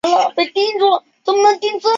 其职能与阿斯特莉亚相似。